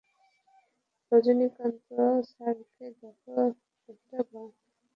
রজনীকান্ত স্যারকে দেখো একটা কাজ শুরু করে তো দুটি কাজ শেষ হয়ে যায়।